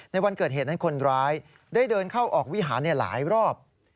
ในวันเกิดเหตุนั้นคนร้ายได้เดินเข้าออกวิหารหลายรอบ